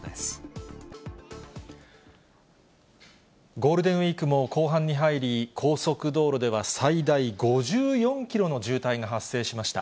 ゴールデンウィークも後半に入り、高速道路では最大５４キロの渋滞が発生しました。